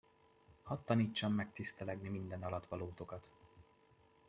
Hadd tanítsam meg tisztelegni minden alattvalótokat!